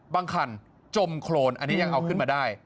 คันจมโครนอันนี้ยังเอาขึ้นมาได้